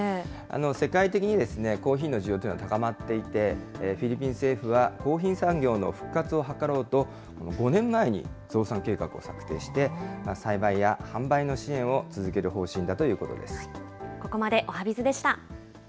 世界的に、コーヒーの需要というのは高まっていて、フィリピン政府は、コーヒー産業の復活を図ろうと、５年前に増産計画を策定して、栽培や販売の支援を続ける方針だということです。